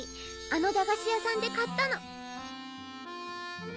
あの駄菓子屋さんで買ったの。